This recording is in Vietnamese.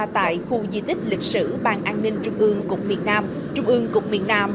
tại khu di tích lịch sử ban an ninh trung ương cục miền nam trung ương cục miền nam